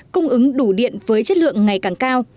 cung ứng đủ điện với chất lượng ngày càng cao